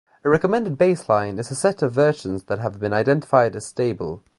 A recommended baseline is a set of versions that have been identified as stable.